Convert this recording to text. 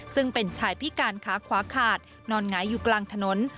ซึ่งเป็นชายพิการขาขวาขาดนอนหงายอยู่กลางถนน